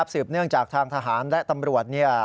สืบเนื่องจากทางทหารและตำรวจ